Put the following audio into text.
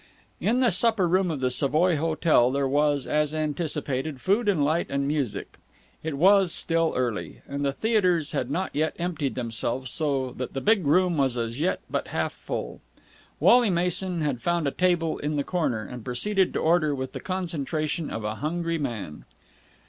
In the supper room of the Savoy Hotel there was, as anticipated, food and light and music. It was still early, and the theatres had not yet emptied themselves, so that the big room was as yet but half full. Wally Mason had found a table in the corner, and proceeded to order with the concentration of a hungry man.